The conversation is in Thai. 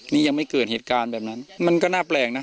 นี่ยังไม่เกิดเหตุการณ์แบบนั้นมันก็น่าแปลกนะ